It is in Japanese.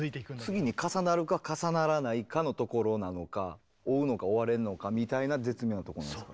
次に重なるか重ならないかのところなのか追うのか追われんのかみたいな絶妙なとこなんですね。